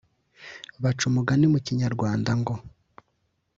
bacumugani mu kinyarwanda ngo